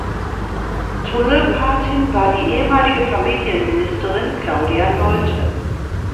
Tunnelpatin war die ehemalige Familienministerin Claudia Nolte.